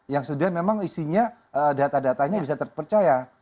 yang sudah memang isinya data datanya bisa terpercaya